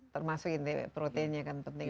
termasuk proteinnya kan penting